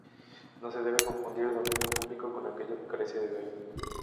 No se debe confundir dominio público con aquello que carece de dueño.